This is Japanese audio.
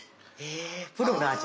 えプロの味。